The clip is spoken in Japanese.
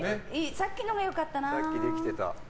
さっきのがよかったな。